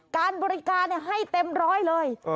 การบริการให้เต็มร้อยเลย